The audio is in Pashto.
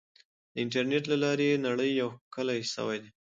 د انټرنیټ له لارې نړۍ یو کلی سوی دی.